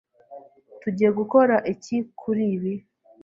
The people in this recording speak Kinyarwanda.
Tugiye gukora iki kuri ibi?